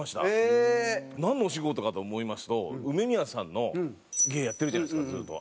なんのお仕事かと思いますと梅宮さんの芸やってるじゃないですかずっと。